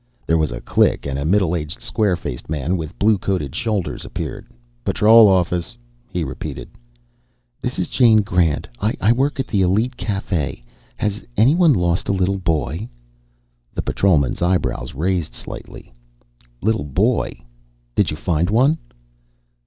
There was a click and a middle aged, square faced man with blue coated shoulders appeared. "Patrol Office," he repeated. "This is Jane Grant. I work at the Elite Cafe. Has anyone lost a little boy?" The patrolman's eyebrows raised slightly. "Little boy? Did you find one?"